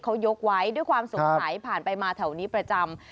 เขายกไว้ด้วยความสงสัยผ่านไปมาแถวนี้ประจำ